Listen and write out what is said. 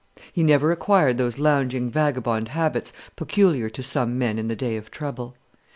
He never acquired those lounging vagabond habits peculiar to some men in the day of trouble.